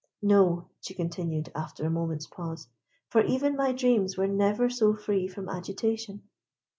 No," she continued, after a moment's pause; "for even my dreams were never so free from agitation."